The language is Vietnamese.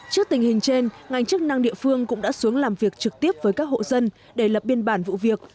trước tình hình trên ngành chức năng địa phương cũng đã xuống làm việc trực tiếp với các hộ dân để lập biên bản vụ việc